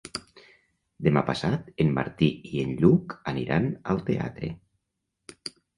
Demà passat en Martí i en Lluc aniran al teatre.